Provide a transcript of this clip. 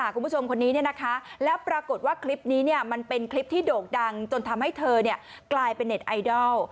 คุณผู้ชมคนนี้เนี่ยนะคะแล้วปรากฏว่าคลิปนี้เนี่ยมันเป็นคลิปที่โดกดังจนทำให้เธอเนี่ยกลายเป็นเน็ตไอดอล